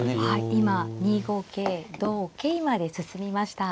はい今２五桂同桂まで進みました。